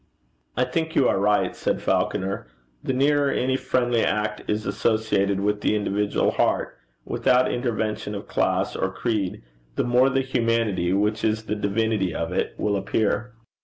'I think you are right,' said Falconer. 'The nearer any friendly act is associated with the individual heart, without intervention of class or creed, the more the humanity, which is the divinity of it, will appear.'